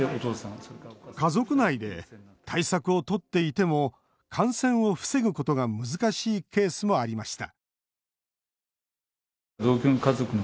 家族内で対策をとっていても感染を防ぐことが難しいケースもありました